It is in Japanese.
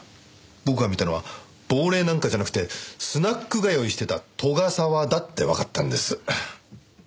僕が見たのは亡霊なんかじゃなくてスナック通いしてた斗ヶ沢だってわかったんです。